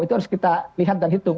itu harus kita lihat dan hitung